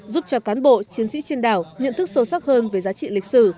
giúp cho cán bộ chiến sĩ trên đảo nhận thức sâu sắc hơn về giá trị lịch sử